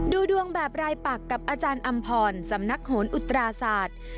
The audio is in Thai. ดูดวงแบบรายปักกับอาจารย์อำพรสำนักโหนอุตราศาสตร์